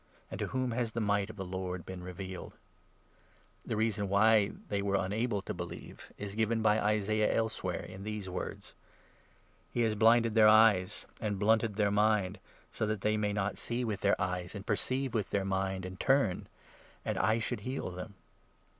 And to whom has the might of the Lord been revealed ?' The reason why they were unable to believe is given by Isaiah 39 elsewhere, in these words —' He has blinded their eyes, and blunted their mind, 40 So that they should not see with their eyes, and perceive with their mind, and turn — And I should heal them.'